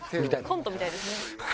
コントみたいですね。